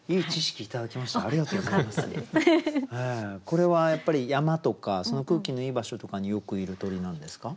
これはやっぱり山とかその空気のいい場所とかによくいる鳥なんですか？